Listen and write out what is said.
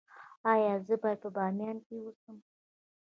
ایا زه باید په بامیان کې اوسم؟